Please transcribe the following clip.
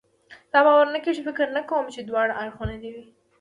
ستا باور نه کېږي؟ فکر نه کوم چې دواړه اړخونه دې.